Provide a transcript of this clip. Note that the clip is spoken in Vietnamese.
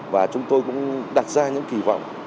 và chúng tôi cũng đặt ra những kỳ vọng